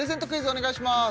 お願いします